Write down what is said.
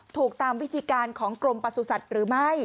ถูกตามวิธีการของกรมประสุทธิ์หรือไม่